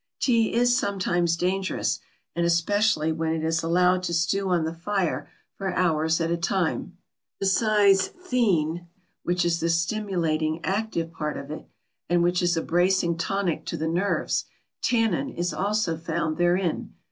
Tea is sometimes dangerous, and especially when it is allowed to stew on the fire for hours at a time. Besides theine, which is the stimulating, active part of it, and which is a bracing tonic to the nerves, tannin is also found therein.